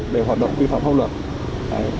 để hoạt động vi phạm hâu lợi